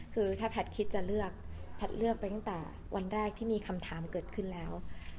คือถ้าแพทย์คิดจะเลือกแพทย์เลือกไปตั้งแต่วันแรกที่มีคำถามเกิดขึ้นแล้ว